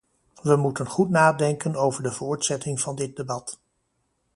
We moeten goed nadenken over de voortzetting van dit debat.